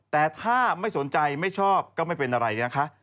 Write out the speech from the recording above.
แต่ถ้าไม่สนใจไม่ชอบก็ไม่เป็นอะไรนะคะ